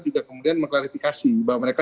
juga kemudian mengklarifikasi bahwa mereka